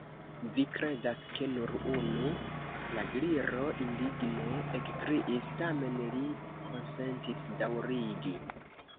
"Vi kredas ke nur unu?" la Gliro indigne ekkriis. Tamen li konsentis daŭrigi.